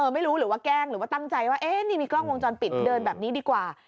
ไม่รู้หรือว่าแกล้งหรือว่าตั้งใจว่านี่มีกล้องวงจรปิดเดินแบบนี้ดีกว่า